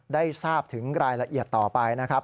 ได้ทราบถึงรายละเอียดต่อไปนะครับ